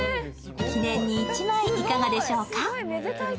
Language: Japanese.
記念に１枚、いかがでしょうか？